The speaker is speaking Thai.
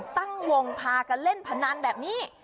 ตั้งวงพากันเล่นพนันแบบนี้